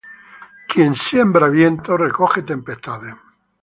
Quien siembra vientos recoge tempestades